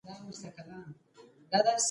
څوک چي ډير ږغږي هغه ډير خطاوزي